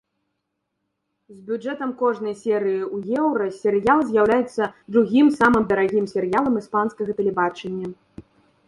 З бюджэтам кожнай серыі ў еўра серыял з'яўляецца другім самым дарагім серыялам іспанскага тэлебачання.